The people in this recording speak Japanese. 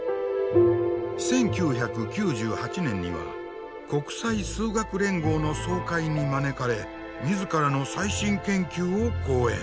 １９９８年には国際数学連合の総会に招かれ自らの最新研究を講演。